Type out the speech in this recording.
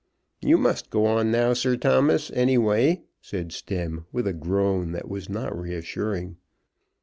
"You must go on now, Sir Thomas, any way," said Stemm with a groan that was not reassuring.